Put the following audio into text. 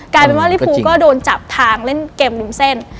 กลายเป็นว่าลิภูก็โดนจับทางเล่นเกมรุมเส้น